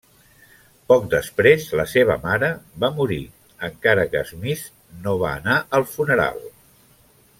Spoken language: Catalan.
Poc després, la seva mare va morir, encara que Smith no va anar al funeral.